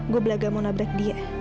gue belajar mau nabrak dia